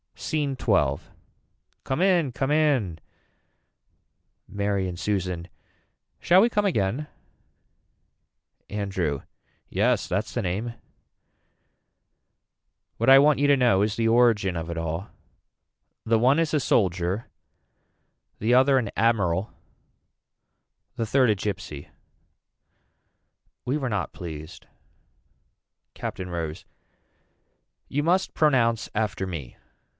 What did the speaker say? SCENE XII. Come in Come in Mary and Susan. Shall we come again. Andrew. Yes that's the name. What I want you to know is the origin of it all. The one is a soldier, the other an admiral the third a gypsy. We were not pleased. Captain Rose. You must pronounce after me.